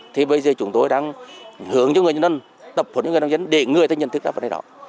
thì bây giờ chúng tôi đang hướng cho người nông dân tập hồn cho người nông dân để người thấy nhận thức ra vấn đề đó